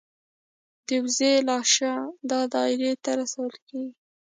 د وزې لاشه د دایرې ته رسول کیږي.